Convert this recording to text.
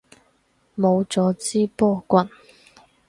冇咗支波棍